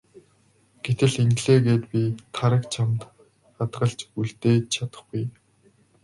Гэтэл ингэлээ гээд би Тараг чамд хадгалж үлдээж чадахгүй.